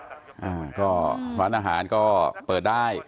อ้าวก็วันอาหารก็เปิดได้